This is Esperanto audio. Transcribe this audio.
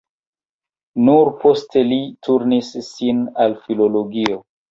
Nur poste li turnis sin al filologio.